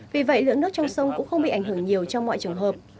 vì vậy lượng nước trong sông cũng không bị ảnh hưởng nhiều trong mọi trường hợp